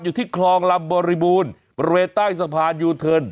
อยู่ที่คลองลำบริบูรณ์บริเวณใต้สะพานยูเทิร์น